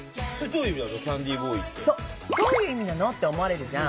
「どういう意味なの？」って思われるじゃん。